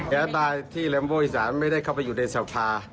แค่ตาที่แรมเบิ้ลอิสานไม่ได้เข้าไปอยู่ในสาวพา